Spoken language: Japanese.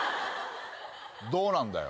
どうなんだよ。